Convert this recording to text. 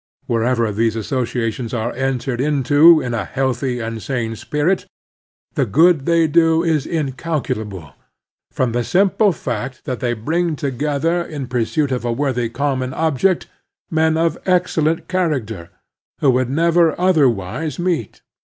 Wherever these associations are entered into in a healthy and sane spirit, the good they do is incal culable, from the simple fact that they bring together in pursuit of a worthy common object men of excellent character, who would never other wise meet.